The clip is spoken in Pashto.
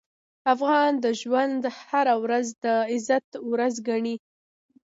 افغان د ژوند هره ورځ د عزت ورځ ګڼي.